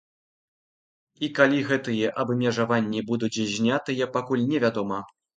І калі гэтыя абмежаванні будуць знятыя, пакуль не вядома.